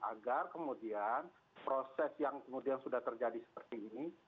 agar kemudian proses yang kemudian sudah terjadi seperti ini